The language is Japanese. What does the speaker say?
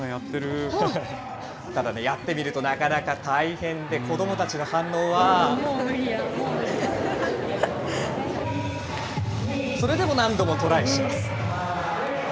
ただね、やってみると、なかなか大変で、子どもたちの反応は。それでも何度もトライします。